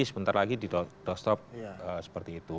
sebentar lagi di doorstop seperti itu